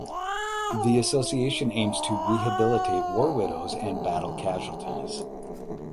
The association aims to rehabilitate war widows and battle casualties.